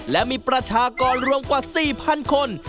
และมีประชากรรวมกว่า๔๐๐๐คน